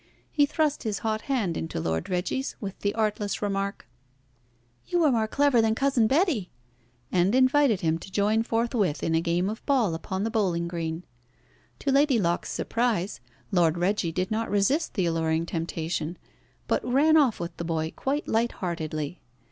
He thrust his hot hand into Lord Reggie's with the artless remark "You are more clever than Cousin Betty!" and invited him to join forthwith in a game of ball upon the bowling green. To Lady Locke's surprise, Lord Reggie did not resist the alluring temptation, but ran off with the boy quite light heartedly.